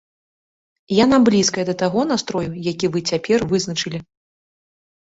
Яна блізкая да таго настрою, які вы цяпер вызначылі.